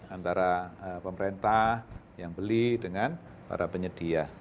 antara pemerintah yang beli dengan para penyedia